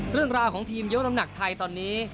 เรื่องราวของทีมยกน้ำหนักไทยตอนนี้